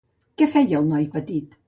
Què feia el noi petit?